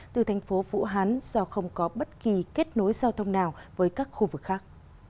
từ thành phố vũ hán do không có bất kỳ kết nối giao thông nào với các khu vực khác